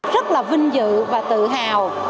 rất là vinh dự và tự hào